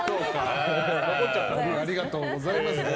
ありがとうございます。